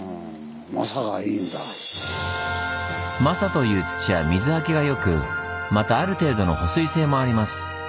「マサ」という土は水はけがよくまたある程度の保水性もあります。